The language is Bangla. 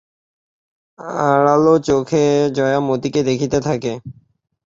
আরালো চোখে জয়া মতিকে দেখিতে থাকে।